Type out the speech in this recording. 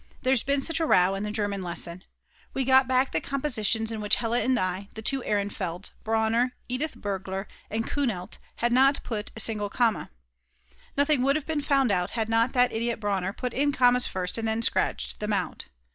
There's been such a row in the German lesson!! We got back the compositions in which Hella and I, the 2 Ehrenfelds, Brauner, Edith Bergler, and Kuhnelt, had not put a single comma. Nothing would have been found out had not that idiot Brauner put in commas first and then scratched them out.